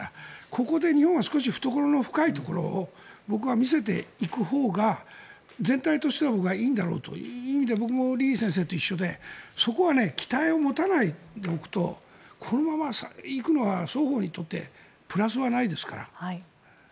ここで日本は少し懐の深いところを僕は見せていくほうが全体としてはいいんだろうという意味で僕も李先生と一緒でそこは期待を持たないでおくとこのまま行くのは双方にとってプラスはないですから。